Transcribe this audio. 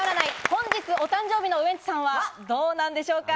本日お誕生日のウエンツさんはどうなんでしょうか？